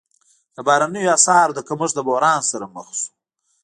د بهرنیو اسعارو د کمښت له بحران سره مخ شو.